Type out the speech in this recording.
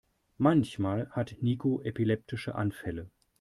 Manchmal hat Niko epileptische Anfälle.